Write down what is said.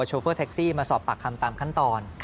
โฟแท็กซี่มาสอบปากคำตามขั้นตอน